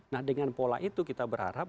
nah dengan pola itu kita berharap